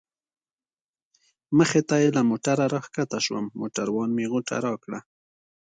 مخې ته یې له موټره را کښته شوم، موټروان مې غوټه راکړه.